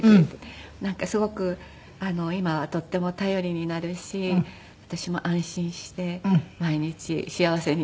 なんかすごく今はとっても頼りになるし私も安心して毎日幸せに。